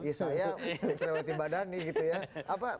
iya saya cerewetin badani gitu ya